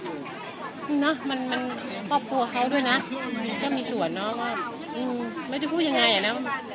อืมนะมันมันพ่อปลัวเขาด้วยนะก็มีส่วนเนาะว่าอืมไม่ได้พูดยังไงอะนะ